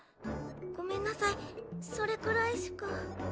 ごめんなさいそれくらいしか。